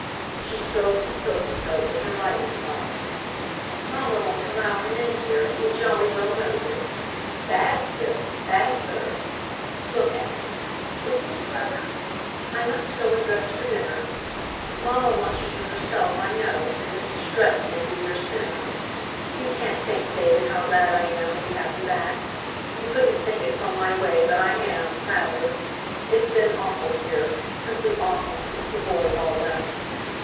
She stroked his silken coat with her riding crop. *' Mamma won't allow him in here, and he jolly well knows it. Bad Zip, bad, sir ! Look at him. Isn't he clever ? I must go and dress for dinner. Mamma wants you to herself, I know, and Mr. Stretton will be, here soon. You can't think, David, how glad I am we have you back ! You couldn't think it from my way — but I am — rather ! It's been awful here — simply awful, since the boys all left."